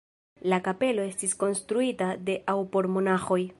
La kapelo estis konstruita de aŭ por monaĥoj.